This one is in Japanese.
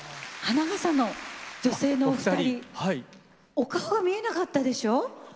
お顔が見えなかったでしょう。